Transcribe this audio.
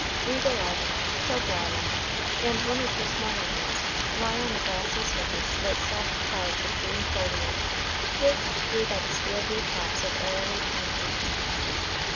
Eagle Island, Shelter Island, and one or two smaller ones, lie on the glassy surface like soft clouds of green foliage pierced through by the steel blue tops of arrowy pine trees.